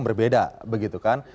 pertama ada yang berbeda